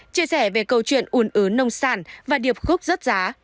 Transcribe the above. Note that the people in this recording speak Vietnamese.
chia sẻ về câu chuyện ùn ứ nông sản và điệp khúc rất giá